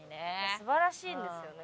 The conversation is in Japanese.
素晴らしいんですよね